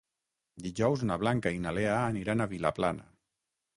Dijous na Blanca i na Lea aniran a Vilaplana.